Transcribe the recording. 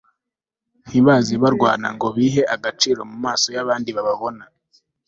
ntibaze barwana ngo bihe agaciro mu maso y'abandi babona